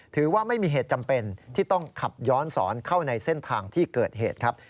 ถือว่าไม่มีเหตุจำเป็นที่ต้องขับย้อนสอนเข้าในเส้นทางที่เกิดเหตุครับ